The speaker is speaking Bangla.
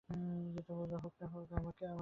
হোক না নষ্ট, আমাদের কী?